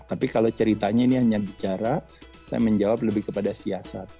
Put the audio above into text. tapi kalau ceritanya ini hanya bicara saya menjawab lebih kepada siasat